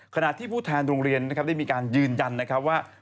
ขณะที่ผู้แทนโรงเรียนได้มีการยืนยันว่า